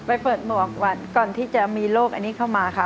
ไปเปิดหมวกวันก่อนที่จะมีโรคอันนี้เข้ามาค่ะ